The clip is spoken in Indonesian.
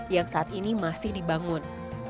yang saat ini masih dibangun